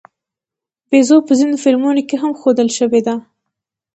بیزو په ځینو فلمونو کې هم ښودل شوې ده.